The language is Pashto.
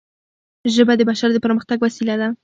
ژبه د بشر د پرمختګ وسیله ده